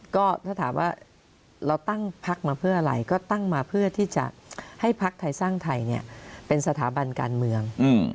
ก็ถ้าถามว่าเราตั้งพักมาเพื่ออะไรก็ตั้งมาเพื่อที่จะให้พักไทยสร้างไทยเป็นสถาบันการเมือง